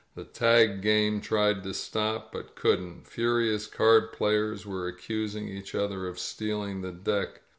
The tag game tried to stop, but couldn't. Furious card players were accusing each other of stealing the deck.